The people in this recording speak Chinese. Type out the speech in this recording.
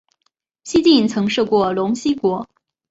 西晋曾设过陇西国。